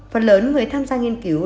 phần lớn người tham gia nghiên cứu